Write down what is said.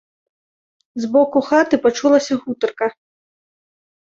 З боку хаты пачулася гутарка.